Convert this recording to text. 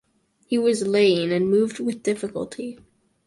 He was laying and moved with difficulty.